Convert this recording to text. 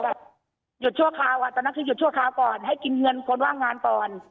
หยุดชั่วคราวอ่ะตอนนั้นคือหยุดชั่วคราวก่อนให้กินเงินคนว่างงานก่อน